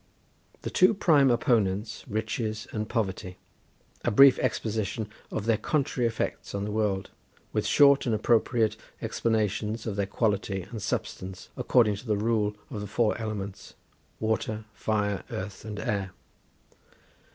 The two prime opponents Riches and Poverty. A brief exposition of their contrary effects on the world; with short and appropriate explanations of their quality and substance, according to the rule of the four elements, Water, Fire, Earth, and Air.